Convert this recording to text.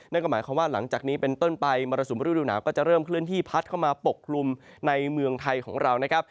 นั่นก็หมายความว่าหลังจากนี้เป็นต้นไปมรสุมฤดูหนาวก็จะเริ่มเคลื่อนที่พัดเข้ามาปกคลุมในเมืองไทยของเรานะครับ